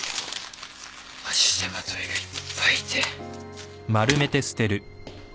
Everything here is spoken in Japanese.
足手まといがいっぱいいて。